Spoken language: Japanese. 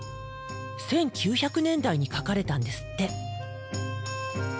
１９００年代に描かれたんですって。